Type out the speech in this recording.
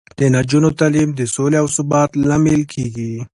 د نجونو تعلیم د سولې او ثبات لامل کیږي.